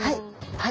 はい。